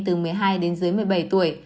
từ một mươi hai đến dưới một mươi bảy tuổi